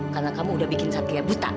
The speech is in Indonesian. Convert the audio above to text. karena kamu udah bikin satria buta